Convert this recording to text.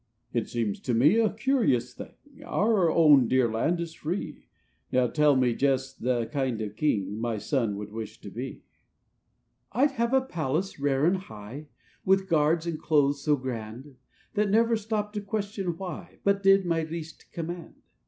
"It seems to me a curious thing; Our own dear Land is free; Now tell me just the kind of king My son would wish to be." KING WILL. 97 "I'd have a palace, rare and high, With guards in clothes so grand; That never stopped to question why, But did my least command.